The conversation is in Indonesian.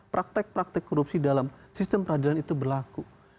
praktek praktek korupsi dalam sistem peradilan itu berlaku